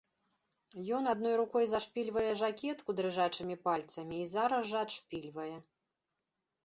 Ён адной рукой зашпільвае жакетку дрыжачымі пальцамі і зараз жа адшпільвае.